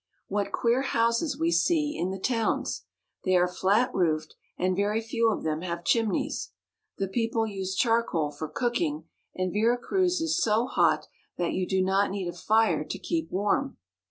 What queer houses we see in the towns! They are flat roofed, and very few of them have chimneys. The people use charcoal for cooking, and Vera Cruz is so hot that you do not need a fire to keep warm.